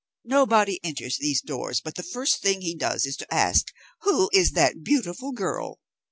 Nobody enters these doors but the first thing he does is to ask, Who is that beautiful girl?